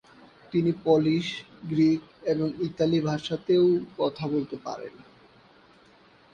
তিনি Polish, Greek এবং Italian ভাষাতেও কথা বলতে পারতেন।